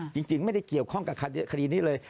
จริงไม่ได้เกี่ยวข้องกับคดีนี้เลย